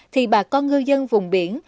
thì bà con ngư dân vùng biển